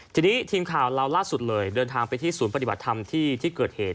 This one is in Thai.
ทีนี้ทีมข่าวเราล่าสุดเลยเดินทางไปที่ศูนย์ปฏิบัติธรรมที่ที่เกิดเหตุ